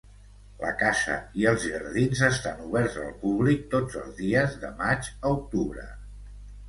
La casa i els jardins estan oberts al públic tots els dies, de maig a octubre.